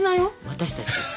私たち。